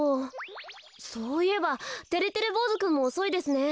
そういえばてれてれぼうずくんもおそいですね。